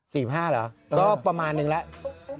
เหรอก็ประมาณนึงแล้ว